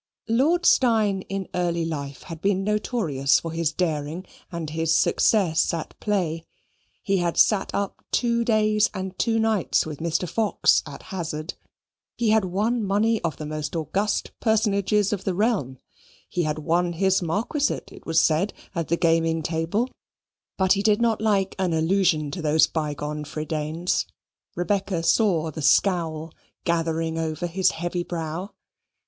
Lord Steyne in early life had been notorious for his daring and his success at play. He had sat up two days and two nights with Mr. Fox at hazard. He had won money of the most august personages of the realm: he had won his marquisate, it was said, at the gaming table; but he did not like an allusion to those bygone fredaines. Rebecca saw the scowl gathering over his heavy brow.